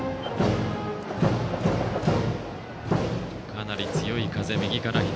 かなり強い風が右から左。